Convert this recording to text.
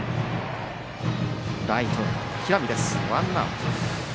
ライト、平見つかんでワンアウト。